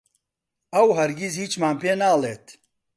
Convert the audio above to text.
ئەو هەرگیز هیچمان پێ ناڵێت.